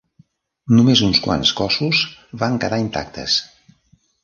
Només uns quants cossos van quedar intactes.